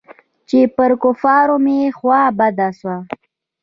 چې پر کفارو مې خوا بده سوه.